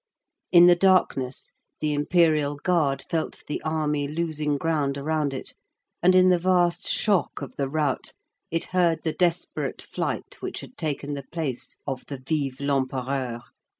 In the darkness, the Imperial Guard felt the army losing ground around it, and in the vast shock of the rout it heard the desperate flight which had taken the place of the "Vive l'Empereur!"